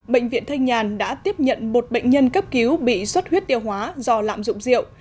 bệnh viện thanh nhàn đã tiếp nhận một bệnh nhân cấp cứu bị suất huyết tiêu hóa do lạm dụng rượu